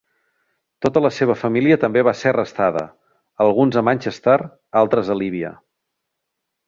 Tota la seva família també va ser arrestada, alguns a Manchester, altres a Líbia.